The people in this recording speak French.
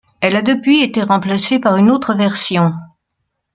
Elle a depuis été remplacée par une autre version.